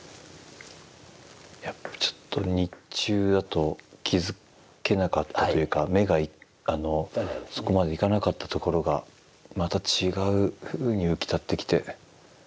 やっぱりちょっと日中だと気付けなかったというか目があのそこまで行かなかったところがまた違うふうに浮き立ってきて。